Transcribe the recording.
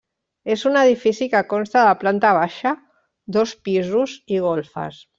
És un edifici que consta de planta baixa, dos pisos i golfes.